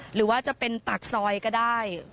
หรือว่าจะเป็นปากซอยก็ได้